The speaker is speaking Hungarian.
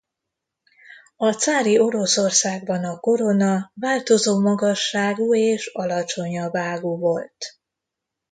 A cári Oroszországban a korona változó magasságú és alacsonyabb ágú volt.